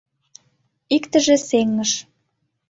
Иктыже сеҥыш.